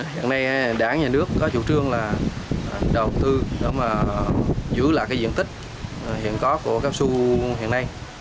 hiện nay đảng nhà nước có chủ trương là đầu tư để mà giữ lại cái diện tích hiện có của cao su hiện nay